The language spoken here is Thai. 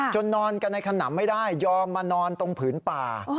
นอนกันในขนำไม่ได้ยอมมานอนตรงผืนป่า